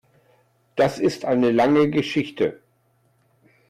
Das ist eine lange Geschichte.